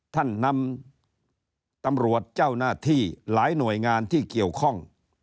ท่านนำตำรวจเจ้าหน้าที่หลายหน่วยงานที่เกี่ยวข้อง